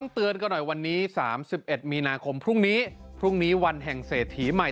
เตือนกันหน่อยวันนี้๓๑มีนาคมพรุ่งนี้พรุ่งนี้วันแห่งเศรษฐีใหม่